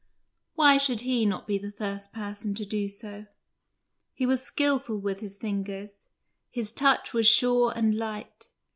Why should he not be the first person to do so? He was skilful with his fingers, his touch was sure and light.